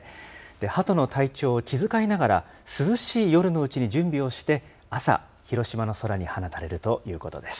ハトの体調を気遣いながら涼しい夜のうちに準備をして、朝、広島の空に放たれるということです。